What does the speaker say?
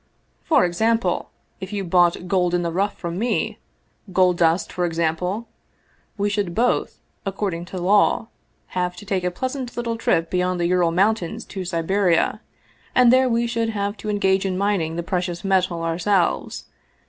For example, if you bought gold in the rough from me gold dust, for example we should both, according to law, have to take a pleasant little trip beyond the Ural Mountains to Siberia, and there we should have to engage in mining the precious metal ourselves.